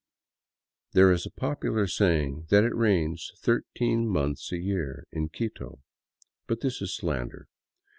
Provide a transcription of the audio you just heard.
There is a popular saying that it rains thirteen months a year in Quito. But this is slander.